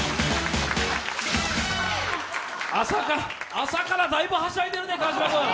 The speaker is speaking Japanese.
朝からだいぶはしゃいでるね、川島君。